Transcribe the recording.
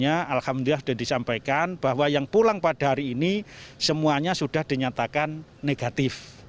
alhamdulillah sudah disampaikan bahwa yang pulang pada hari ini semuanya sudah dinyatakan negatif